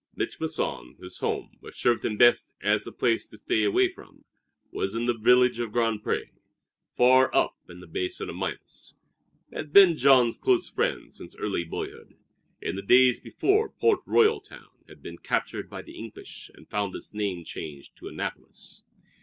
Mich' Masson whose home, which served him best as a place to stay away from, was in the village of Grand Pré, far up on the Basin of Minas had been Jean's close friend since early boyhood, in the days before Port Royal town had been captured by the English and found its name changed to Annapolis.